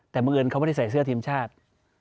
แต่บังเอิญเขาไม่ได้ใส่เสื้อทีมชาติ